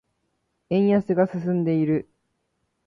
円安が進んでいる。